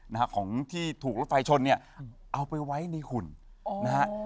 นะฮะของที่ถูกรถไฟชนเนี่ยเอาไปไว้ในหุ่นอ๋อนะฮะ